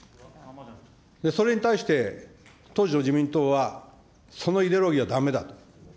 それに対して、当時の自民党は、そんなイデオロギーじゃだめだと。